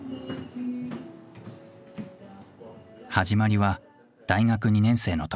始まりは大学２年生の時。